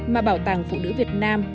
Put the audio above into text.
mà bảo tàng phụ nữ việt nam